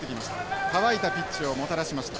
乾いたピッチをもたらしました。